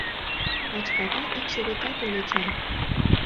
Пачката икшыветат уло чай?..